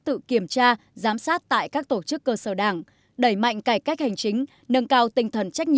tự kiểm tra giám sát tại các tổ chức cơ sở đảng đẩy mạnh cải cách hành chính nâng cao tinh thần trách